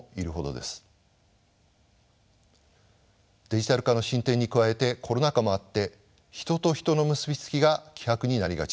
デジタル化の進展に加えてコロナ禍もあって人と人の結び付きが希薄になりがちです。